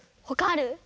ほかある？